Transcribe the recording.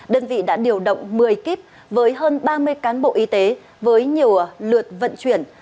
đơn vị đã điều động một mươi kíp với hơn ba mươi cán bộ y tế với nhiều lượt vận chuyển